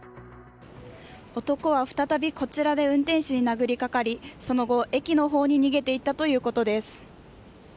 男は再び、こちらで運転手に殴りかかりその後、駅のほうに逃げていったということです。